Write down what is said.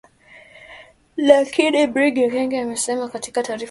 Lakini Brig Ekenge amesema katika taarifa kwamba “wana taarifa za kuaminika sana